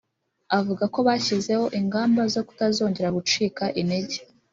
avuga ko bashyizeho ingamba zo kutazongera gucika intege